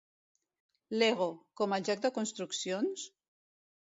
Lego, com el joc de construccions?